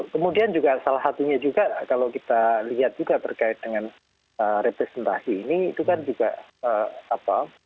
kemudian juga salah satunya juga kalau kita lihat juga terkait dengan representasi ini itu kan juga apa